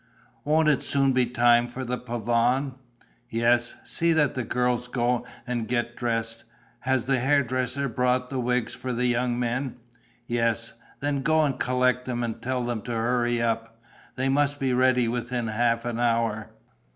"Won't it soon be time for the pavane?" "Yes, see that the girls go and get dressed. Has the hairdresser brought the wigs for the young men?" "Yes." "Then go and collect them and tell them to hurry up. They must be ready within half an hour...."